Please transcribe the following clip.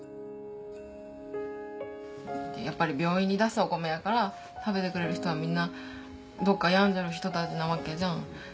やっぱり病院に出すお米やから食べてくれる人はみんなどっか病んじょる人たちなわけじゃん。